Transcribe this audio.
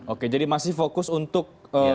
oke jadi masih fokus untuk